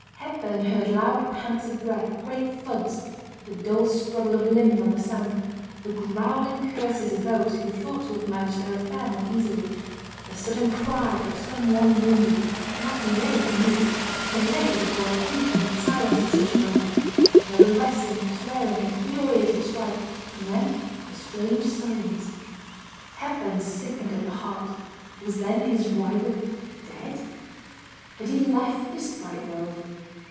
Hepburn heard loud pants of breath, great thuds, the dull struggle of limbs on the sand, the growling curses of those who thought to have managed their affair more easily; the sudden cry of some one wounded, not Kinraid he knew, Kinraid would have borne any pain in silence at such a moment; another wrestling, swearing, infuriated strife, and then a strange silence. Hepburn sickened at the heart; was then his rival dead? had he left this bright world?